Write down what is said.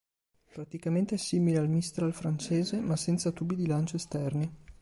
Praticamente è simile al Mistral francese, ma senza tubi di lancio esterni.